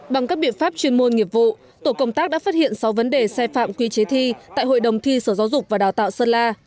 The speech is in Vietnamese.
bằng các biện pháp chuyên môn nghiệp vụ tổ công tác đã phát hiện sáu vấn đề sai phạm quy chế thi tại hội đồng thi sở giáo dục và đào tạo sơn la